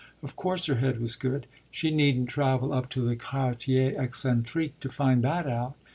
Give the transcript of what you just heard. Of course her head was good she needn't travel up to the quartiers excentriques to find that out.